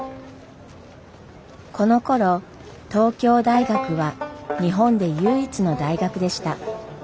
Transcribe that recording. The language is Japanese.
このころ東京大学は日本で唯一の大学でした。